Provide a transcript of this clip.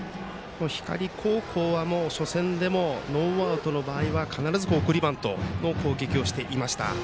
光高校は初戦でもノーアウトの場合は必ず送りバントの攻撃をしていました。